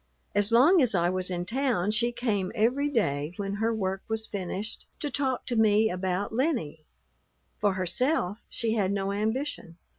As long as I was in town she came every day when her work was finished to talk to me about Lennie. For herself she had no ambition.